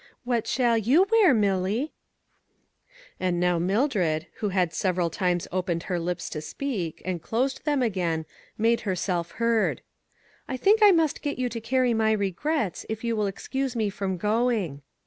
What shall you wear, Milly ?" And now Mildred, who had several times opened her lips to speak, and closed them again, made herself heard. "I think I must get you to carry my re grets, if you will excuse me from going."